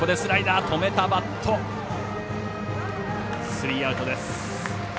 スリーアウトです。